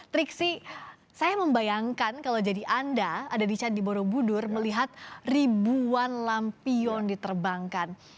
triksi saya membayangkan kalau jadi anda ada di candi borobudur melihat ribuan lampion diterbangkan